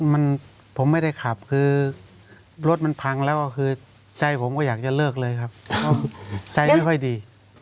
มันผมไม่ได้ขับคือรถมันพังแล้วก็คือใจผมก็อยากจะเลิกเลยครับใจไม่ค่อยดี